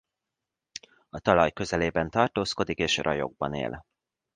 A talaj közelében tartózkodik és rajokban él.